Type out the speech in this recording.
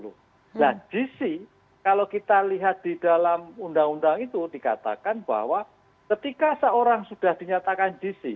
nah gc kalau kita lihat di dalam undang undang itu dikatakan bahwa ketika seorang sudah dinyatakan gc